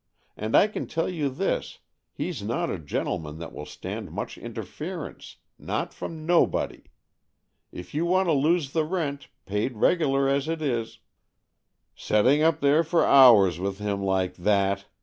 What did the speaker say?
And I can tell you this, he's not a gentleman that will stand much interference — not from no body. If you want to lose the rent, paid regular as it is "" Setting up there for hours with him like that